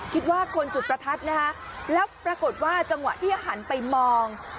คิดว่าคนจุดประทัดนะคะแล้วปรากฏว่าจังหวะที่หันไปมอง